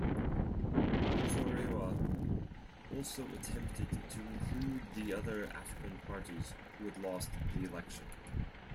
Muzorewa also attempted to include the other African parties who had lost the election.